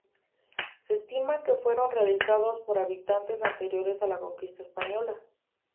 Se estima que fueron realizadas por habitantes anteriores a la conquista española.